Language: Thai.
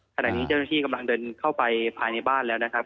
ขณะนี้เจ้าหน้าที่กำลังเดินเข้าไปภายในบ้านแล้วนะครับ